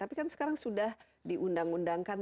tapi kan sekarang sudah diundang undangkan